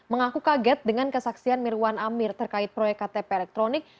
mengaku kaget dengan kesaksian mirwan amir terkait proyek ktp elektronik